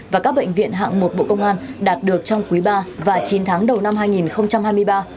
và các bệnh viện hạng một bộ công an đạt được trong quý ba và chín tháng đầu năm hai nghìn hai mươi ba